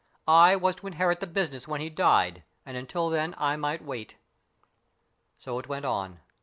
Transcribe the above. I was to inherit the business when he died, and until then I might wait. So it went on.